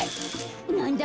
なんだ？